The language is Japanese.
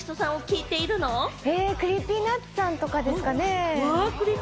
ＣｒｅｅｐｙＮｕｔｓさんとかですかね、聴いてます。